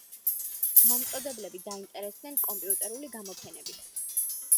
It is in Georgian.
მომწოდებლები დაინტერესდნენ კომპიუტერული გამოფენებით.